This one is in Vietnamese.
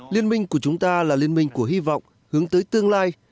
liên minh của chúng ta là liên minh của hy vọng hướng tới tương lai